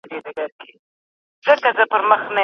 د نجونو زده کړه د عامه کارونو همکاري زياتوي.